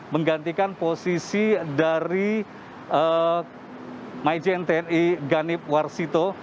menggantikan posisi dari majen tni ganip warsito